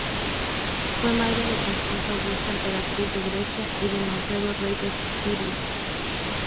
Fue madre de Constanza Augusta Emperatriz de Grecia y de Manfredo rey de Sicilia.